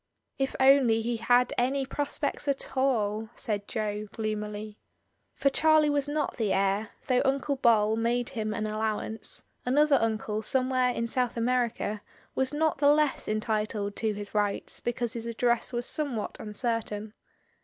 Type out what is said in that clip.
"If only he had any prospects at all," said Jo, gloomily. For Charlie was not the heir, though Uncle Bol made him an allowance; another uncle somewhere in South America was not the less entitled to his 172 MRS. DYMOND. rights because his address was somewhat uncertain.